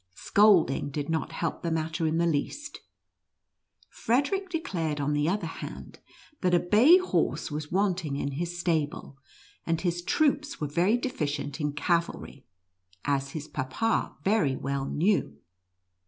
Scolding did not help the matter in the least. Frederic declared, on the other hand, that a bay horse was wanting in his stable, and his troops were very deficient in cavalry, as his Papa very well knew.